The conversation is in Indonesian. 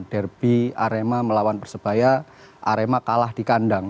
derby arema melawan persebaya arema kalah di kandang